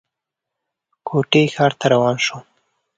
کوټې ښار ته روان شو.